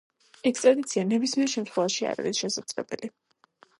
ექსტრადიცია ნებისმიერ შემთხვევაში არ არის შესაძლებელი.